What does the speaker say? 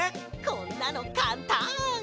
こんなのかんたん！